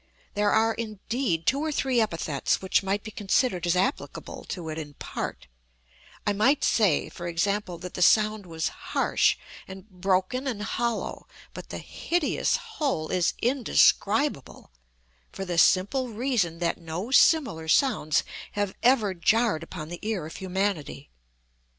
There are, indeed, two or three epithets which might be considered as applicable to it in part; I might say, for example, that the sound was harsh, and broken and hollow; but the hideous whole is indescribable, for the simple reason that no similar sounds have ever jarred upon the ear of humanity.